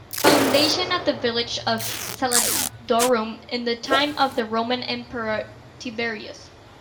Foundation of the village of "Salodurum" in the time of the roman emperor Tiberius.